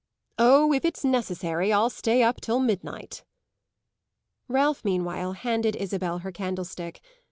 "Oh, if it's necessary I'll stay up till midnight." Ralph meanwhile handed Isabel her candlestick.